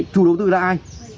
chủ đối tự là ai